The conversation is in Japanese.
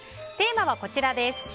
テーマはこちらです。